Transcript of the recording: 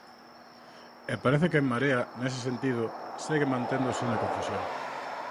E parece que En Marea nese sentido segue manténdose na confusión.